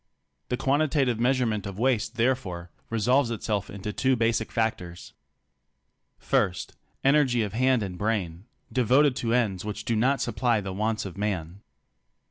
The quantitative measurement of waste therefore resolves itself into two basic factors : 1. Energy of hand and brain devoted to ends which do not supply the wants of man.